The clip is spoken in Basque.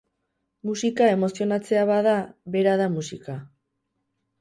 Musika emozionatzea bada, bera da musika.